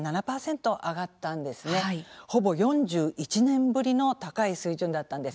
ほぼ４１年ぶりの高い水準だったんです。